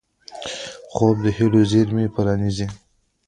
خوب د هیلو زېرمې راپرانيزي